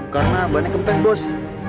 karena banyak yang pentas bos